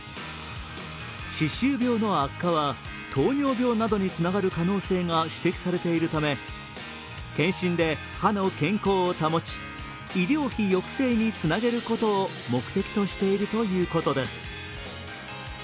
歯周病の悪化は糖尿病などにつながる可能性が指摘されているため検診で歯の健康を保ち医療費抑制につなげることを目的としているということです。